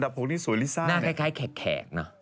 หน้าคล้ายแขก